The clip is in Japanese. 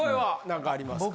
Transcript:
何かありますか？